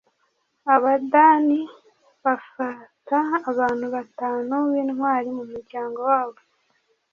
abadani bafata abantu batanu b'intwari mu muryango wabo